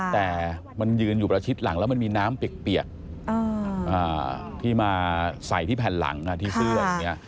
แต่มันยืนอยู่ประชิดหลังแล้วมันมีน้ำเปียกที่มาใส่ที่แผ่นหลังที่เสื้ออย่างนี้